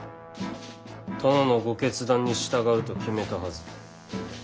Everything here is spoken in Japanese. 殿のご決断に従うと決めたはず。